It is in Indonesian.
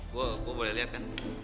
gue boleh liat kan